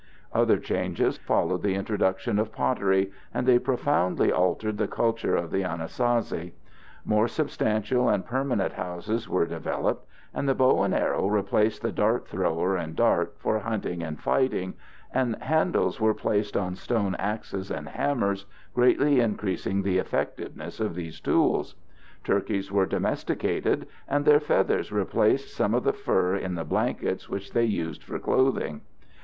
Other changes followed the introduction of pottery, and they profoundly altered the culture of the Anasazi. More substantial and permanent houses were developed, the bow and arrow replaced the dart thrower and dart for hunting and fighting, and handles were placed on stone axes and hammers, greatly increasing the effectiveness of these tools. Turkeys were domesticated, and their feathers replaced some of the fur in the blankets which they used for clothing.